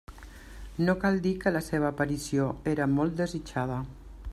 No cal dir que la seva aparició era molt desitjada.